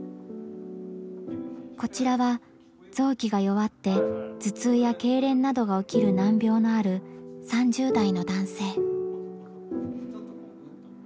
こちらは臓器が弱って頭痛やけいれんなどが起きる難病のある３０代の男性。